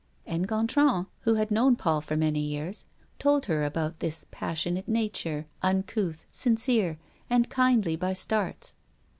And Gontran, who had known Paul for many years, told her about this passionate nature, uncouth, sincere, and kindly by starts.